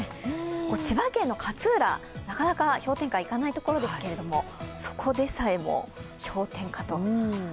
千葉県の勝浦、なかなか氷点下いかないところですけどもそこでさえも氷点下と。